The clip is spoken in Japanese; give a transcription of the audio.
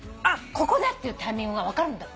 ここだっていうタイミングが分かるんだって。